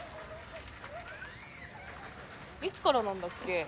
いつからなんだっけ？